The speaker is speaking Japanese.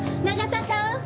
永田さん！